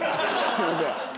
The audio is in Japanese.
すみません。